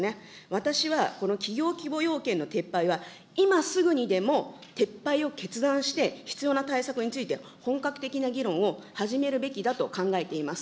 私はこの企業規模要件の撤廃は、今すぐにでも撤廃を決断して、必要な対策について本格的な議論を始めるべきだと考えています。